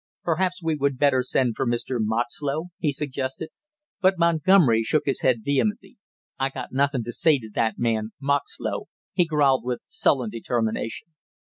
"Perhaps we would better send for Mr. Moxlow?" he suggested. But Montgomery shook his head vehemently. "I got nothin' to say to that man Moxlow!" he growled with sullen determination.